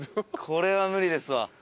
これは無理ですわ。